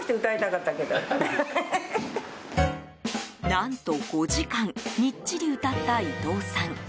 何と、５時間みっちり歌った伊藤さん。